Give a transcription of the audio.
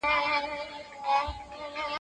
تا يو څو شېبې زما سات دئ راتېر كړى